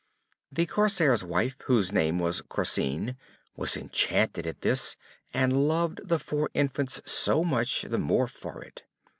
The Corsair's wife, whose name was Corsine, was enchanted at this, and loved the four infants so much the more for it.